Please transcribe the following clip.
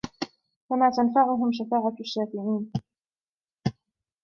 فَمَا تَنفَعُهُمْ شَفَاعَةُ الشَّافِعِينَ